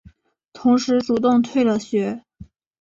同时主动退了学。